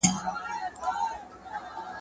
زه هره ورځ ږغ اورم!!